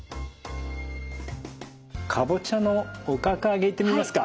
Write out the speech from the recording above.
かぼちゃのおかか揚げいってみますか。